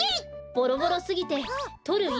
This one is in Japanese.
ボロボロすぎてとるい